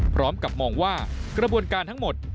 พร้อมกับมองว่ากระบวนการทั้งหมด